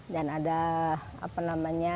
dan ada apa namanya